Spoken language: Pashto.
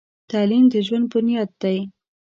تعلیم د ژوند بنیاد دی.